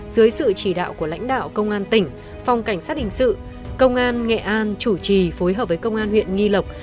dưới sự chỉ đạo của lãnh đạo công an tỉnh phòng cảnh sát hình sự công an nghệ an chủ trì phối hợp với công an huyện nghi lộc